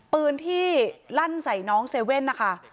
ปืนที่ลั่นใส่น้องเซเว่นนะคะ